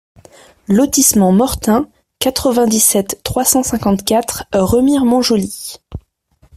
Lotissement Mortin, quatre-vingt-dix-sept, trois cent cinquante-quatre Remire-Montjoly